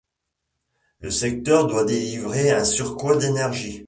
Le secteur doit délivrer un surcroit d'énergie.